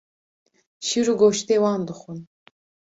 Şîr û goştê wan dixwin.